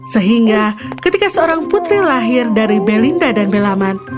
sehingga ketika seorang putri lahir dari belinda dan belaman